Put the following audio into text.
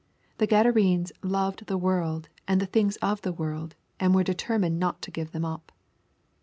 The Gadarenes loved the world, and the things of the world, and were determined not to give them up.